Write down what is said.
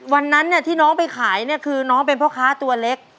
วันนั้นเนี่ยที่น้องไปขายเนี่ยคือน้องเป็นพ่อค้าตัวเล็ก